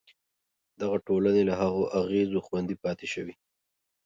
دغه ټولنې له هغو اغېزو خوندي پاتې شوې.